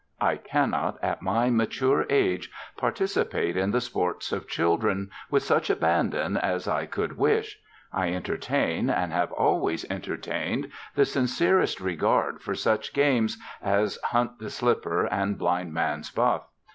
I cannot at my mature age participate in the sports of children with such abandon as I could wish. I entertain, and have always entertained, the sincerest regard for such games as Hunt the Slipper and Blind Man's Buff.